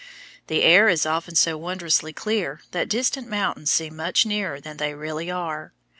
The air is often so wondrously clear that distant mountains seem much nearer than they really are.